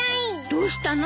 どうしたの？